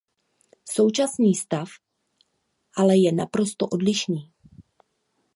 Současný stav ale je naprosto odlišný.